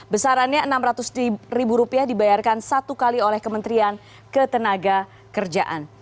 besarannya rp enam ratus dibayarkan satu kali oleh kementerian ketenaga kerjaan